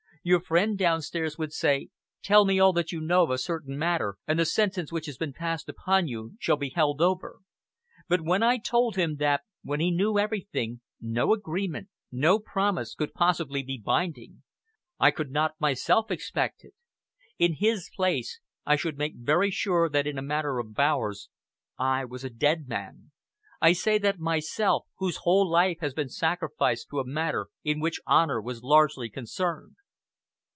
Your friend downstairs would say, 'Tell me all that you know of a certain matter, and the sentence which has been passed upon you shall be held over.' But when I had told him, when he knew everything, no agreement, no promise, could possibly be binding. I could not myself expect it. In his place I should make very sure that in a matter of hours I was a dead man. I say that myself, whose whole life has been sacrificed to a matter in which honor was largely concerned."